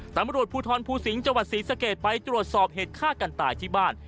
ตำรวจภูทรภูสิงห์จังหวัดศรีสะเกดไปตรวจสอบเหตุฆ่ากันตายที่บ้าน